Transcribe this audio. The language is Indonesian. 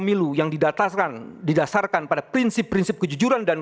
kegagalan dalam menyelegarkan pemilu yang didataskan kegagalan dalam menyelegarkan pemilu yang didataskan